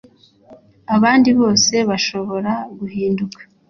abandi bose bashobora guhinduka